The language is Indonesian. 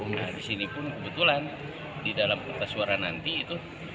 nah di sini pun kebetulan di dalam kertas suara nanti itu